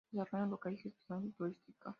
Desarrollo local y gestión turística.